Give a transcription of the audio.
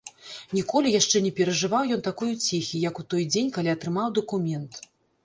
Ніколі яшчэ не перажываў ён такой уцехі, як у той дзень, калі атрымаў дакумент.